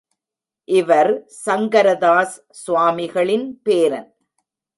இவர் சங்கரதாஸ் சுவாமிகளின் பேரன்.